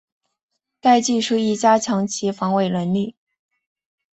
该技术亦加强其防伪能力。